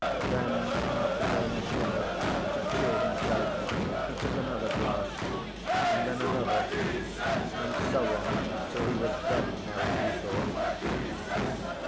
Then, after they had dined, to cheer himself he took another glass, and then another, and so on till he was very merry, he thought.